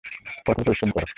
কঠোর পরিশ্রম করো।